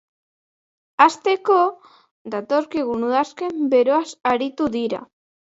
Hasteko, datorkigun udazken beroaz aritu dira.